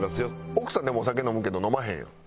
奥さんお酒飲むけど飲まへんやん。